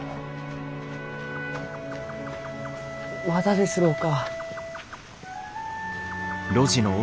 まだですろうか？